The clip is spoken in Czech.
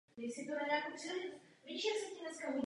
Polák tak vybojoval stříbro.